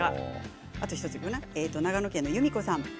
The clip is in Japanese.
長野県の方です。